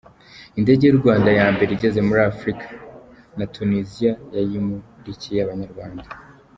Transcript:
Indege Yurwanda ya mbere igeze muri Afurika, Natuniziya yayimurikiye Abanyarwanda